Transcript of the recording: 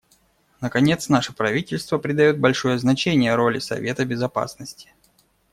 Наконец, наше правительство придает большое значение роли Совета Безопасности.